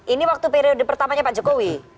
ini waktu periode pertamanya pak jokowi